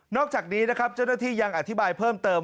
อกจากนี้นะครับเจ้าหน้าที่ยังอธิบายเพิ่มเติม